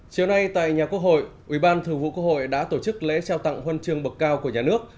chiều nay tại nhà quốc hội ubthqh đã tổ chức lễ trao tặng huân trường bậc cao của nhà nước